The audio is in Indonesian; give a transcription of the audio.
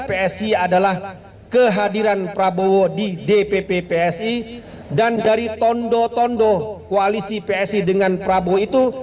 psi adalah kehadiran prabowo di dpp psi dan dari tondo tondo koalisi psi dengan prabowo itu